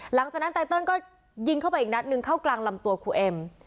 หลังจากนั้นไตเติลก็ยิงเข้าไปอีกนัดนึงเข้ากลางลำตัวครูเอ็ม